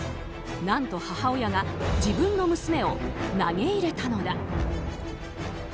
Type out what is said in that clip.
何と母親が自分の娘を投げ入れたのだ。